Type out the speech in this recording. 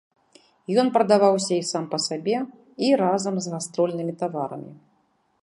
Ён прадаваўся і сам па сабе, і разам з гастрольнымі таварамі.